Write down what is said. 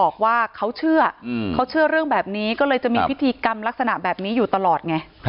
เค้าเชื่อแล้วจะมีพฤษีกรรมแบบนี้อยู่ตลอด